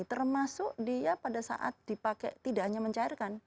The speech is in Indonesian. termasuk dia pada saat dipakai tidak hanya mencairkan